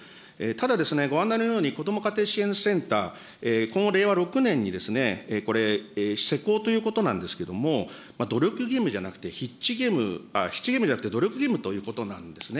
ただ、ご案内のようにこども家庭支援センター、この令和６年に、これ、施行ということなんですけども、努力義務じゃなくて必置義務、必置義務じゃなくて、努力義務ということなんですね。